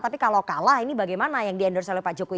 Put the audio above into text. tapi kalau kalah ini bagaimana yang di endorse oleh pak jokowi